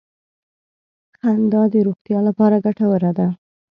• خندا د روغتیا لپاره ګټوره ده.